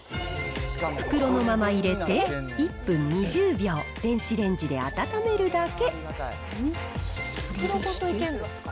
袋のまま入れて、１分２０秒、電子レンジで温めるだけ。